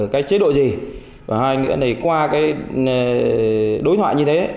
cái chế độ gì và hai nữa này qua cái đối thoại như thế